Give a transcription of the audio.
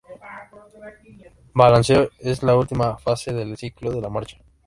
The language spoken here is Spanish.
Balanceo: es la última fase del ciclo de la marcha.